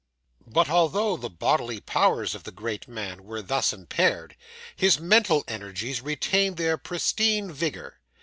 But although the bodily powers of the great man were thus impaired, his mental energies retained their pristine vigour.